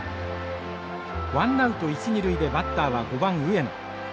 ワンナウト一二塁でバッターは５番上野。